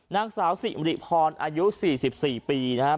นางสาวสิริพรอายุ๔๔ปีนะครับ